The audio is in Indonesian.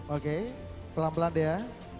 oke pelan pelan deh ya